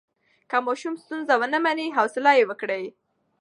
که ماشوم ستونزه ونه مني، حوصله یې وکړئ.